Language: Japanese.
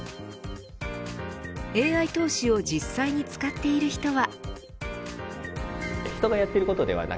ＡＩ投資を実際に使っている人は。